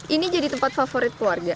ini jadi tempat favorit keluarga